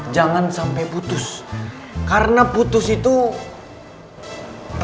jadi ali itu tidak perlu untuk ldr